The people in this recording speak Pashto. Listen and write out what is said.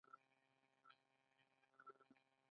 ایا کچالو شکر لوړوي؟